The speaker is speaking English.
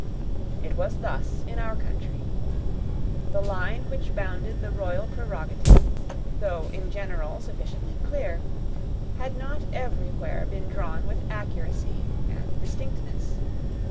It was thus in our country. The line which bounded the royal prerogative, though in general sufficiently clear, had not everywhere been drawn with accuracy and distinctness.